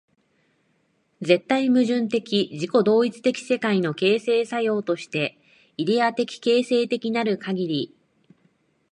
絶対矛盾的自己同一的世界の形成作用として、イデヤ的形成的なるかぎり、